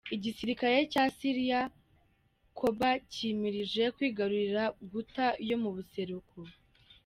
Igisirikare ca Syria coba cimirije kwigarurira Ghouta yo mu buseruko?.